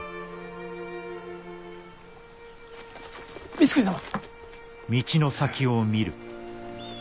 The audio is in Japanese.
光圀様！